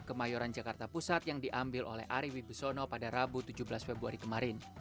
kemayoran jakarta pusat yang diambil oleh ari wibisono pada rabu tujuh belas februari kemarin